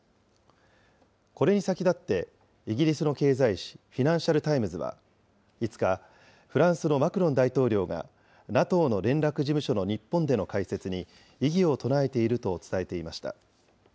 これに先立って、イギリスの経済紙、フィナンシャル・タイムズは５日、フランスのマクロン大統領が、ＮＡＴＯの連絡事務所の日本での開設に異議を唱えていると伝えていました。